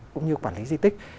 cũng như quản lý di tích